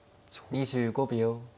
２５秒。